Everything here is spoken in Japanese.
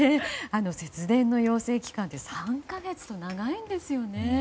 節電の要請期間は３か月と長いんですよね。